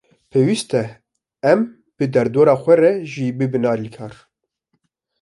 Pêwîst e em bi derdora xwe re jî bibin alîkar.